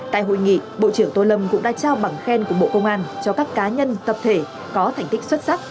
tại hội nghị bộ trưởng tô lâm cũng đã trao bằng khen của bộ công an cho các cá nhân tập thể có thành tích xuất sắc